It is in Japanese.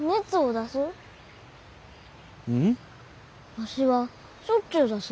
わしはしょっちゅう出す。